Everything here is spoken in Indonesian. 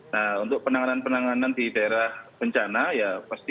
nah untuk penanganan penanganan di daerah bencana ya pasti